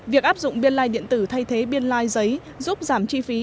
việc áp dụng biên lai điện tử thay thế biên lai giấy giúp giảm chi phí